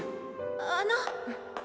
あの。